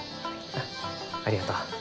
ああありがとう。